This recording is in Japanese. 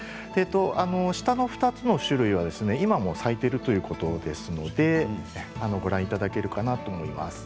下の２つの種類は今も咲いているということですのでご覧いただけるかなと思います。